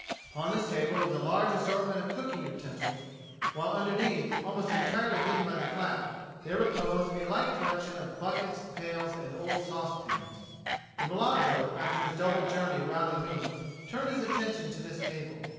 LTpon this table was a large assortment of cooking utensils, while underneath, almost entirely hidden by the flap, there reposed a like collection of buckets, pails, and old saucepans. The mulatto, after his double journey round the room, turned his attention to this table.